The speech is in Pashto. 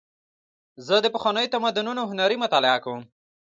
زه د پخوانیو تمدنونو هنرونه مطالعه کوم.